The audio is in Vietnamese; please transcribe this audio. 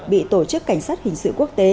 bị tổ chức cảnh sát hình sự quốc tế